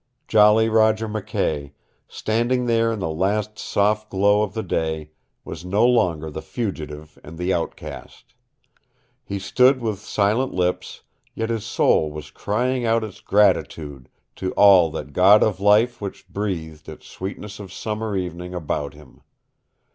Jolly Roger McKay, standing there in the last soft glow of the day, was no longer the fugitive and the outcast. He stood with silent lips, yet his soul was crying out its gratitude to all that God of Life which breathed its sweetness of summer evening about him.